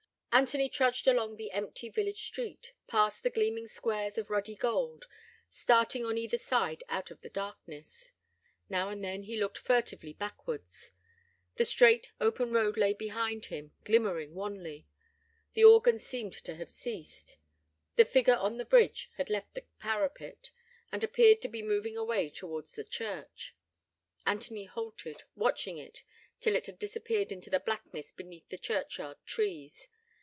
Anthony trudged along the empty village street, past the gleaming squares of ruddy gold, starting on either side out of the darkness. Now and then he looked furtively backwards. The straight open road lay behind him, glimmering wanly: the organ seemed to have ceased: the figure on the bridge had left the parapet, and appeared to be moving away towards the church. Anthony halted, watching it till it had disappeared into the blackness beneath the churchyard trees.